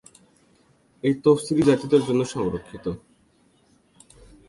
এই তফসিলী জাতিদের জন্য সংরক্ষিত।